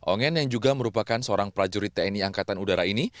ongen yang juga merupakan seorang prajurit tni angkatan udara ini